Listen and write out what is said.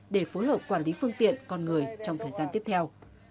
để phối hợp quản lý phương tiện con người trong thời gian tiếp theo